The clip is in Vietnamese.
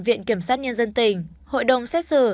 viện kiểm sát nhân dân tỉnh hội đồng xét xử